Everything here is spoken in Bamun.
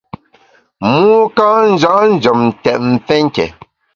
Mû ka ya’ njem tèt mfé nké.